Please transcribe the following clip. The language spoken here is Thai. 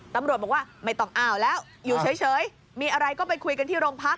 ตำรวจบอกว่าไม่ต้องอ้าวแล้วอยู่เฉยมีอะไรก็ไปคุยกันที่โรงพัก